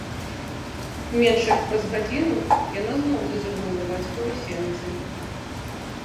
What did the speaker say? Менш як праз гадзіну яна зноў зазірнула ў бацькавы сенцы.